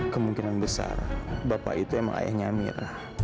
kemungkinan besar bapak itu emang ayahnya amir